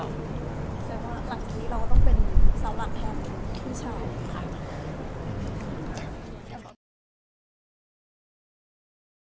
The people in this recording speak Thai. คิดว่าหลังนี้เราต้องเป็นสำหรับท่านทุกชาว